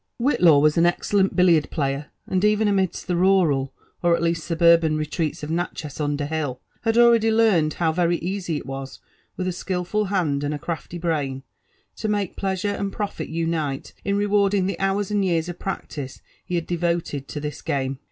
Whitlaw was an excellent billiard player ; and even amidst the rural, or at least suburban retreats of Natchez qnder'^Hill, had al^ ready learned how very easy it was, with a skilful hand and a crafty brain, to make pleasure and profit unite in rewarding the hoiirs and years of practice be had devoted to this game.